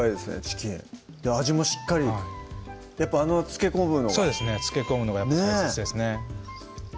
チキン味もしっかりはいやっぱあの漬け込むのがそうですね漬け込むのが大切です